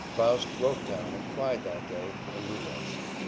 Faust broke down and cried that day, and we lost.